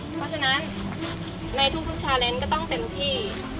เพราะฉะนั้นในทุกชาเลนส์ก็ต้องเต็มที่